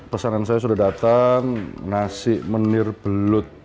pesanan saya sudah datang nasi menir belut